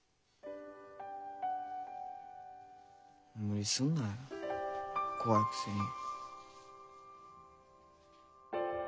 無理すんなよ怖いくせに。